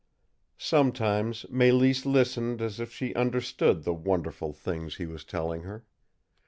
Sometimes Mélisse listened as if she understood the wonderful things he was telling her.